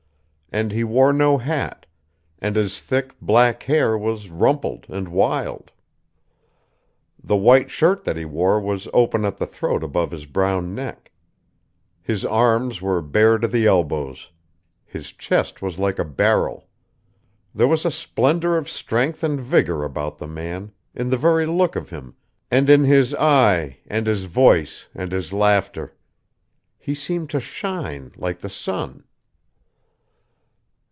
And he wore no hat, and his thick, black hair was rumpled and wild. The white shirt that he wore was open at the throat above his brown neck. His arms were bare to the elbows. His chest was like a barrel. There was a splendor of strength and vigor about the man, in the very look of him, and in his eye, and his voice, and his laughter. He seemed to shine, like the sun....